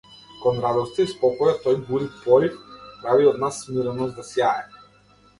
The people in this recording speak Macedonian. Кон радоста и спокојот тој буди порив, прави од нас смиреност да сјае.